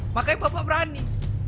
makanya bapak berani